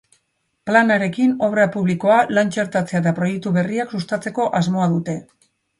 Planarekin obra publikoa, lan txertatzea eta proiektu berriak sustatzeko asmoa dute.